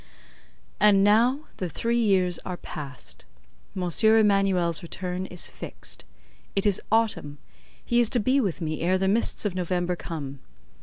And now the three years are past: M. Emanuel's return is fixed. It is Autumn; he is to be with me ere the mists of November come.